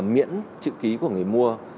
miễn chữ ký của người mua